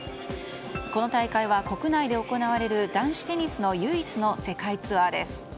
この大会は国内で行われる男子テニスの唯一の世界ツアーです。